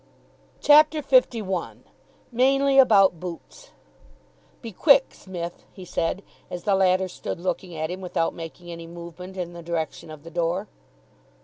CHAPTER LI MAINLY ABOUT BOOTS "Be quick, Smith," he said, as the latter stood looking at him without making any movement in the direction of the door.